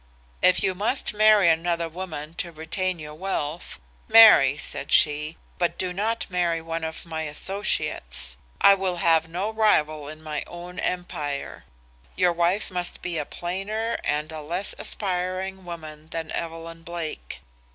"'If you must marry another woman to retain your wealth, marry, said she, 'but do not marry one of my associates. I will have no rival in my own empire; your wife must be a plainer and a less aspiring woman than Evelyn Blake.